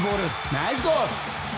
ナイスゴール！